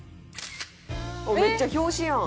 「めっちゃ表紙やん」